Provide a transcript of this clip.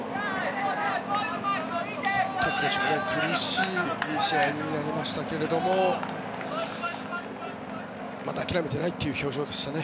トス選手苦しい試合になりましたけどまだ諦めていないという表情でしたね。